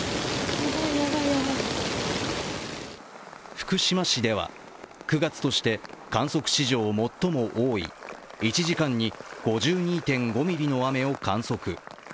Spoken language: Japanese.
福島市では９月として観測史上最も多い１時間に５２．５ミリの雨を観測。